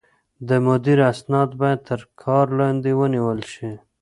د مدير اسناد بايد تر کار لاندې ونيول شي.